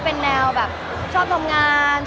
มันเป็นเรื่องน่ารักที่เวลาเจอกันเราต้องแซวอะไรอย่างเงี้ย